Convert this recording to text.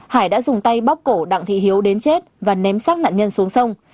hải đã dùng tay bóc cổ đặng thị hiếu đến chết và ném sát nạn nhân xuống sông